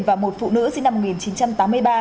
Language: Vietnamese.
và một phụ nữ sinh năm một nghìn chín trăm tám mươi ba